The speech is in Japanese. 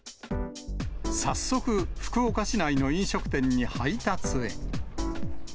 早速、福岡市内の飲食店に配達へ。